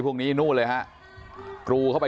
เพิ่มนี่บุญโรงเรียนเลย